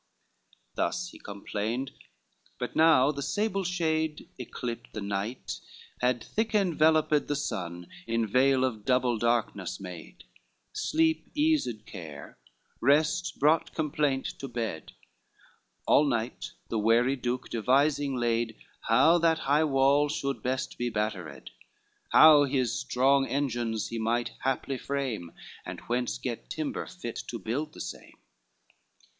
LXXI Thus he complained; but now the sable shade Ycleped night, had thick enveloped The sun in veil of double darkness made; Sleep, eased care; rest, brought complaint to bed: All night the wary duke devising laid How that high wall should best be battered, How his strong engines he might aptly frame, And whence get timber fit to build the same.